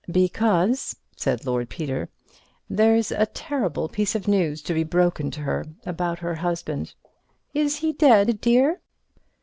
"Because," said Lord Peter, "there's a terrible piece of news to be broken to her about her husband." "Is he dead, dear?"